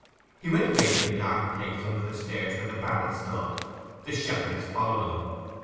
He went away to the dark place under the stairs where the barrel stood. The shepherdess followed him.